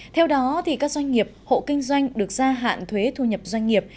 theo đó các doanh nghiệp hộ kinh doanh được gia hạn thuế thu nhập doanh nghiệp